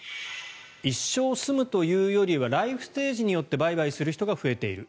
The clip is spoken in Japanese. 一生住むというよりはライフステージによって売買する人が増えている。